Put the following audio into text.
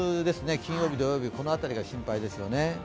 金曜日、土曜日辺りが心配ですよね